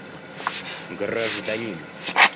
Гражданин